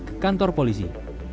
di kantor polisi